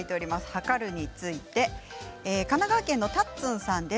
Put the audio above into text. はかるについて神奈川県の方からです。